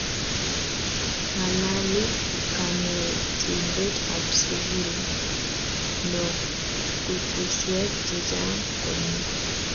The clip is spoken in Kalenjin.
Ng'alali kanetindet ap sukuli no kutuswek chechang' komnye